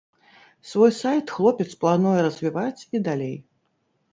Свой сайт хлопец плануе развіваць і далей.